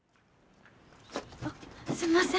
あっすんません。